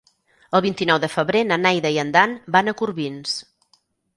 El vint-i-nou de febrer na Neida i en Dan van a Corbins.